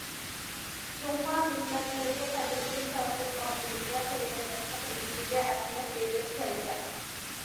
جۇڭخۇا مىللەتلىرى قەدىمدىن تارتىپ ئائىلىگە، قېرىنداشلىق رىشتىگە ئەھمىيەت بېرىپ كەلگەن.